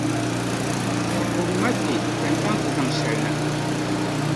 Guhimi ma kpɛ ka n chaŋ nti zaŋ shɛli na.